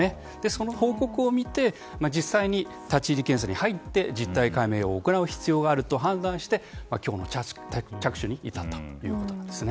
その報告を見て実際に立ち入り検査に入って、実態解明を行う必要があると判断して今日の着手に至ったということなんですね。